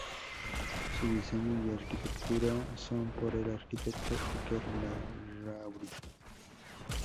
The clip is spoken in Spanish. Su diseño y arquitectura son por el arquitecto Iker Larrauri.